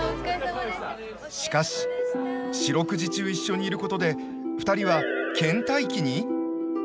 しかし四六時中一緒にいることで２人はけん怠期に？